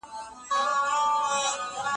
د ګیس رڼا ته یې په وریجو غوړ بریت تور ځلیږي